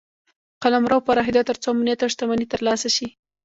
قلمرو پراخېده تر څو امنیت او شتمني ترلاسه شي.